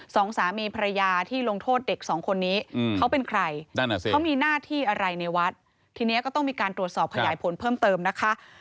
สองสามีภรรยาที่ลงโทษเด็กสองคนนี้เขาเป็นใครนั่นอ่ะสิเขามีหน้าที่อะไรในวัดทีนี้ก็ต้องมีการตรวจสอบขยายผลเพิ่มเติมนะคะ